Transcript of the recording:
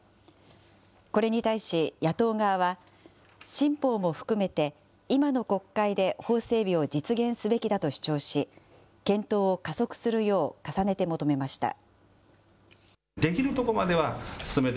これに対し野党側は、新法も含めて、今の国会で法整備を実現すべきだと主張し、検討を加速するよう重ねて求めました。